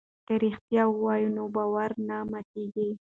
که رښتیا ووایو نو باور نه ماتیږي.